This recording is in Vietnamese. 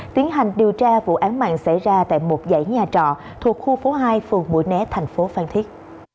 tiến hành điều tra vụ án mạng xảy ra tại một dãy nhà trọ thuộc khu phố hai phường mũi né thành phố phan thiết